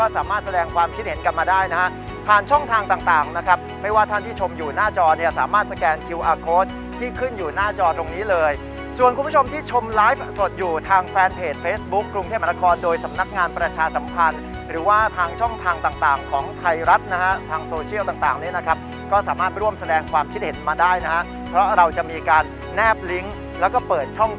สแกนคิวอาร์โค้ดที่ขึ้นอยู่หน้าจอตรงนี้เลยส่วนคุณผู้ชมที่ชมไลฟ์สดอยู่ทางแฟนเพจเฟสบุ๊คกรุงเทพมนาคอลโดยสำนักงานประชาสำคัญหรือว่าทางช่องทางต่างต่างของไทยรัฐนะฮะทางโซเชียลต่างต่างนี้นะครับก็สามารถไปร่วมแสดงความคิดเห็นมาได้นะฮะเพราะเราจะมีการแนบลิงค์แล้วก็เปิด